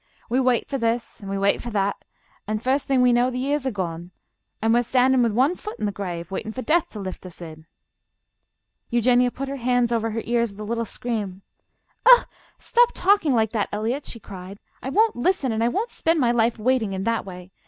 We wait for this and we wait for that, and first thing we know the years are gone, and we are standing with one foot in the grave, waiting for Death to lift us in." Eugenia put her hands over her ears with a little scream. "Stop talking like that, Eliot," she cried. "I won't listen, and I won't spend my life waiting in that way.